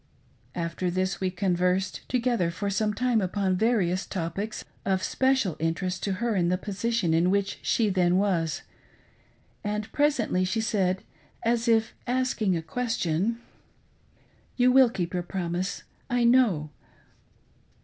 After this we conversed together for some time upon various topics of special interest to her in the position in which she then was, and presently she said, as if asking a question, —" You will keep your promise, I know."